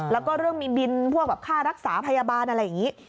แล้วก็เรื่องมีบินพวกแบบค่ารักษาพยาบาลอะไรอย่างนี้